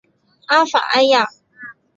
阿法埃娅。